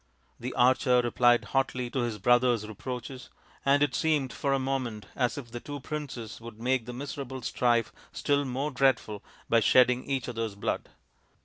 The archer replied hotly to his brother's reproaches, and it seemed for a moment as if the two princes would make the miserable strife still more dreadful by shedding each other's blood.